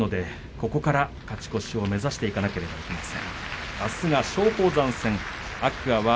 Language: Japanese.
ここから勝ち越しを目指していかなければなりません。